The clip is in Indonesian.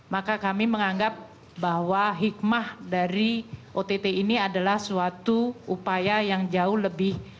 maka kami menganggap bahwa hikmah dari ott ini adalah suatu upaya yang jauh lebih